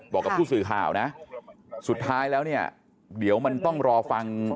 บอกกับผู้สื่อข่าวนะสุดท้ายแล้วเนี่ยเดี๋ยวมันต้องรอฟัง